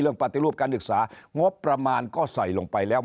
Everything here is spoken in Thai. ปฏิรูปการศึกษางบประมาณก็ใส่ลงไปแล้ว